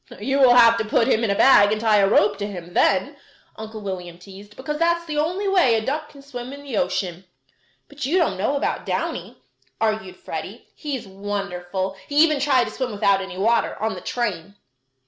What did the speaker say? "You will have to put him in a bag and tie a rope to him then," Uncle William teased, "because that's the only way a duck can swim in the ocean." "But you don't know about Downy," argued Freddie. "He's wonderful! He even tried to swim without any water, on the train."